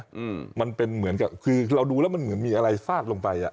อืมมันเป็นเหมือนกับคือเราดูแล้วมันเหมือนมีอะไรฟาดลงไปอ่ะ